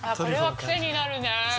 クセになる？